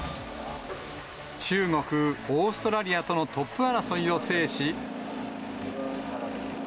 中国、オーストラリアとのトップ争いを制し。